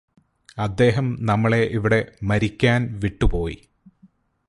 അദ്ദേഹം നമ്മളെ ഇവിടെ മരിക്കാന് വിട്ടു പോയി